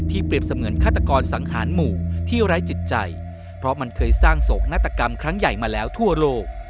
เปรียบเสมือนฆาตกรสังหารหมู่ที่ไร้จิตใจเพราะมันเคยสร้างโศกนาฏกรรมครั้งใหญ่มาแล้วทั่วโลก